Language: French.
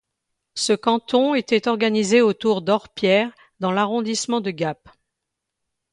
Ce canton était organisé autour d'Orpierre dans l'arrondissement de Gap.